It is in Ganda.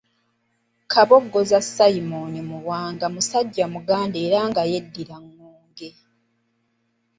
Kabogoza Simon Muwanga musajja Muganda era nga yeddira ŋŋonge.